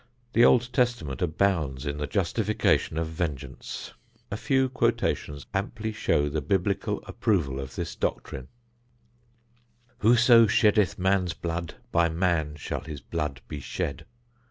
The Old Testament abounds in the justification of vengeance. A few quotations amply show the Biblical approval of this doctrine: Whoso sheddeth man's blood, by man shall his blood be shed.